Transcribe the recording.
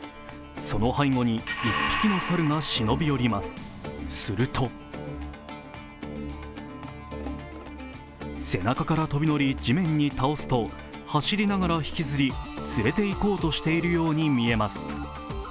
その背後に１匹の猿が忍び寄りますすると背中から飛び乗り、地面に倒すと、走りながら引きずり、連れて行こうとしているように見えます。